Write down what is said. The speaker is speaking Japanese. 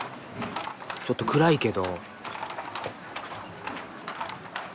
ちょっと暗いけど。